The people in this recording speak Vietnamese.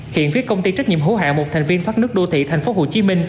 hiện phía công ty trách nhiệm hố hạ một thành viên thoát nước đô thị tp hcm